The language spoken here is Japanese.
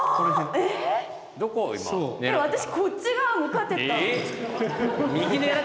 えっ私こっち側向かってた。